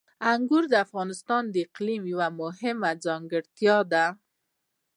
انګور د افغانستان د اقلیم یوه مهمه ځانګړتیا ده.